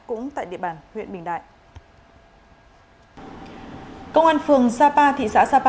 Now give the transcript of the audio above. cũng tại địa bàn huyện bình đại